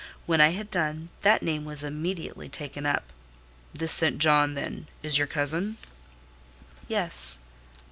When I had done, that name was immediately taken up. "This St. John, then, is your cousin?" "Yes."